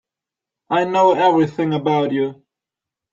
I know everything about you.